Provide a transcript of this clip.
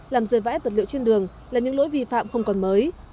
làm rơi vãi vật liệu trên đường là những lỗi vi phạm không còn mới